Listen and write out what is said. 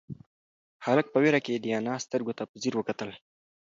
هلک په وېره کې د انا سترگو ته په ځير وکتل.